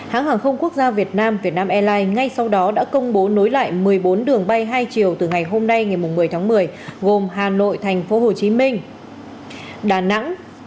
hãng hàng không quốc gia việt nam việt nam airlines ngay sau đó đã công bố nối lại một mươi bốn đường bay hai chiều từ ngày hôm nay ngày một mươi tháng một mươi gồm hà nội tp hcm đà nẵng